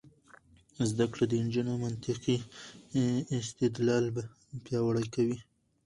زده کړه د نجونو منطقي استدلال پیاوړی کوي.